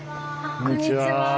こんにちは。